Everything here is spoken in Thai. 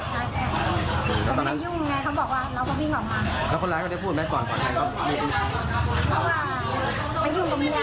บอกคนสาวไปยุ่งกับเมียเขาแค่นั้น